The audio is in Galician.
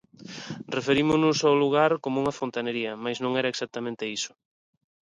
Referímonos ao lugar como unha fontanería, mais non era exactamente iso.